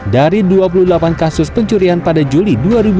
dari dua puluh delapan kasus pencurian pada juli dua ribu dua puluh